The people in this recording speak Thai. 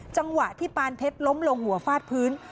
จังหวะที่ปานเพชรล้มลงหัวฟาดพื้น